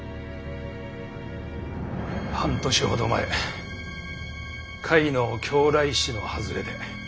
半年ほど前甲斐の教来石の外れで。